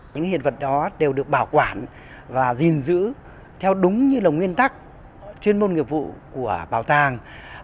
những hiện vật đó đều được bảo quản và gìn giữ theo đúng như là nguyên tắc chuyên môn nghiệp vụ của bảo tàng